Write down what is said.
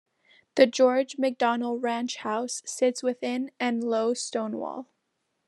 The George McDonald Ranch House sits within an low stone wall.